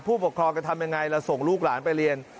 ผู้ปกครองจะทำยังไงแล้วส่งลูกหลานไปเรียน